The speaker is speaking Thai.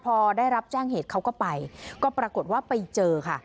พอได้รับแจ้งเหตุเขาก็ไปก็ปรากฏว่าไปเจอค่ะ